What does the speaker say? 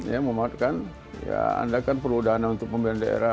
ya memanfaatkan ya anda kan perlu dana untuk pembelian daerah